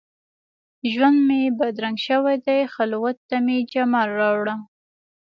ژوند مي بدرنګ شوی دي، خلوت ته مي جمال راوړه